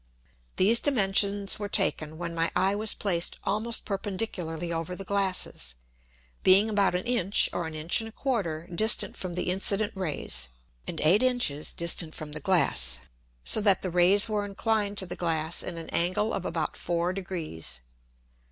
These Dimensions were taken, when my Eye was placed almost perpendicularly over the Glasses, being about an Inch, or an Inch and a quarter, distant from the incident Rays, and eight Inches distant from the Glass; so that the Rays were inclined to the Glass in an Angle of about four Degrees.